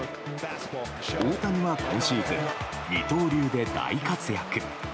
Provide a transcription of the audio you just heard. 大谷は今シーズン二刀流で大活躍。